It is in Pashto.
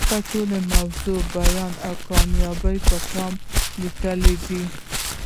دا ټول موضوعي بیان د کامیاب کالم لیکوال دی.